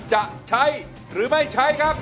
จะใช้หรือไม่ใช้ครับ